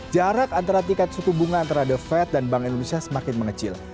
jarak antara tingkat suku bunga antara the fed dan bank indonesia semakin mengecil